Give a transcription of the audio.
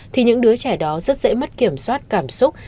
thì những đứa trẻ đó rất dễ mất kiểm soát cảm xúc